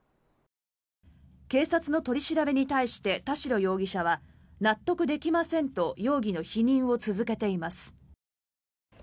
警察の取り調べに対して田代容疑者は納得できませんと容疑の否認を続けています。